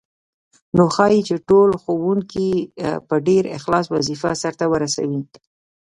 نو ښايي چې ټول ښوونکي په ډېر اخلاص وظیفه سرته ورسوي.